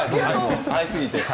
会いすぎて。